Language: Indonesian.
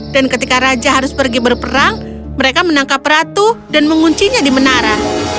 dan ketika raja harus pergi berperang mereka menangkap ratu dan menguncinya di menara